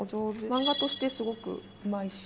漫画としてすごくうまいし。